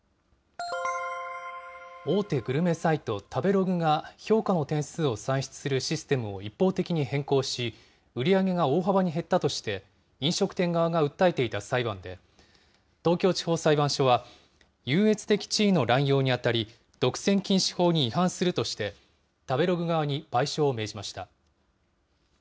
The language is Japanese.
大手グルメサイト、食べログが評価の点数を算出するシステムを一方的に変更し、売り上げが大幅に減ったとして飲食店側が訴えていた裁判で、東京地方裁判所は、優越的地位の乱用に当たり、独占禁止法に違反するとして、食べログ側に賠償を命じました。